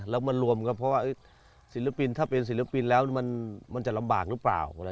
แล้วมารวมก็เพราะว่าศิลปินถ้าเป็นศิลปินแล้วมันจะลำบากหรือเปล่า